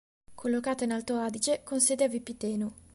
Collocata in Alto Adige, con sede a Vipiteno.